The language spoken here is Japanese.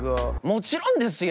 もちろんですよ。